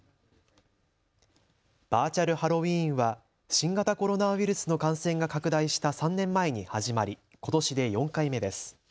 バーチャルハロウィーンは新型コロナウイルスの感染が拡大した３年前に始まりことしで４回目です。